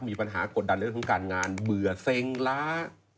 มีปัญหากดดันเรื่องของการงานเบื่อเซ็งล้า